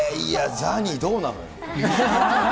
ザニー、どうなの。